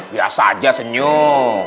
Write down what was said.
biasa aja senyum